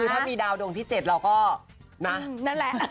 คือถ้ามีดาวดวงที่๗เราก็นะนั่นแหละ